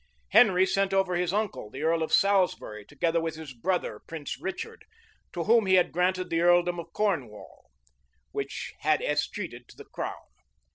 Henry sent over his uncle, the earl of Salisbury, together with his brother, Prince Richard, to whom he had granted the earldom of Cornwall, which had escheated to the crown.